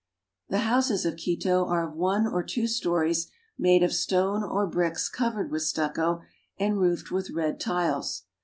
The houses of Quito are of one or two stories, made of stone or bricks covered with stucco, and roofed with red tiles.